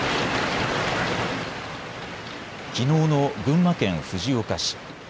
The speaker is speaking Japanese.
きのうの群馬県藤岡市。